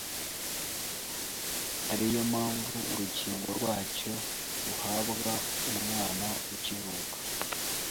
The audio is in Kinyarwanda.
ari yo mpamvu urukingo rwacyo ruhabwa umwana ukivuka.